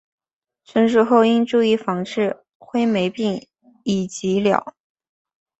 成熟后应注意防治灰霉病以及鸟。